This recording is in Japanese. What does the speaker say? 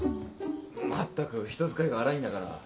まったく人使いが荒いんだから。